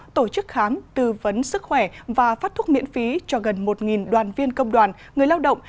tổ chức khám tư vấn sức khỏe và phát thuốc miễn phí cho gần một đoàn viên công đoàn người lao động